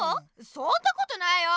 そんなことないよ。